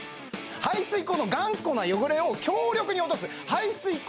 排水口の頑固な汚れを強力に落とす排水口